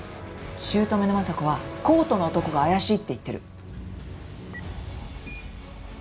姑の昌子はコートの男が怪しいって言ってる。